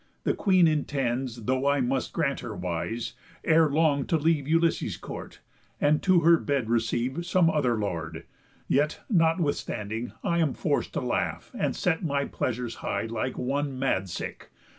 The Queen intends, Though I must grant her wise, ere long to leave Ulysses' court, and to her bed receive Some other lord; yet, notwithstanding, I Am forc'd to laugh, and set my pleasures high Like one mad sick.